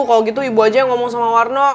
kalau gitu ibu aja ngomong sama warno